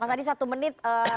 mas adi satu menit